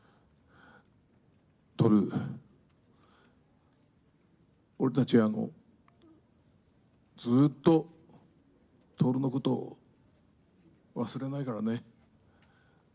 徹、俺たちはずっと徹のことを忘れないからね。